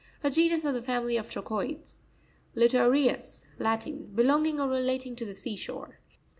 A genus of the family of 'Trochoides (page 49). Lirro'REus. — Latin. Belonging ot relating to the sea shore.